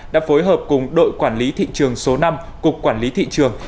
đã phối hợp cùng đội quản lý thị trường số năm cục quản lý thị trường